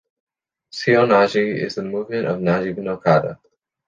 Seoi-Nage is a movement of Nage-no-kata.